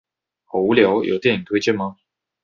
好無聊，有電影推薦嗎